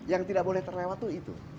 yang tidak boleh terlewat itu